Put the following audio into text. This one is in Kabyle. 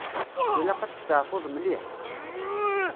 Ilaq ad testeɛfuḍ mliḥ.